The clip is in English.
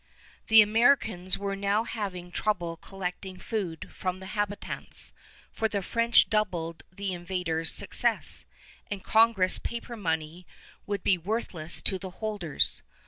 The Americans were now having trouble collecting food from the habitants, for the French doubted the invaders' success, and Congress paper money would be worthless to the holders.